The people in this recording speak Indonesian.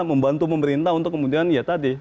membantu pemerintah untuk kemudian ya tadi